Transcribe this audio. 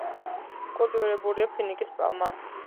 კულტივირებულია ფინიკის პალმა.